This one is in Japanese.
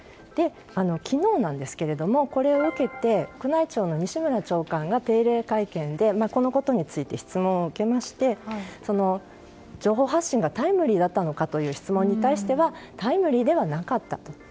昨日なんですけれどもこれを受けて宮内庁の西村長官が、定例会見でこのことについて質問を受けまして情報発信がタイムリーだったのかという質問に対してはタイムリーではなかったと。